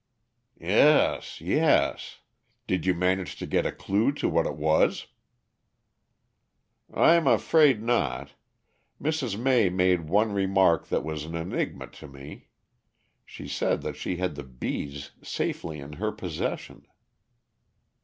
"Yes, yes. Did you manage to get a clue to what it was?" "I'm afraid not. Mrs. May made one remark that was an enigma to me. She said that she had the bees safely in her possession."